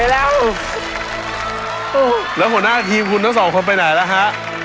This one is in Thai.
แล้วหัวหน้าทีมคุณทั้งสองคนไปไหนล่ะฮะ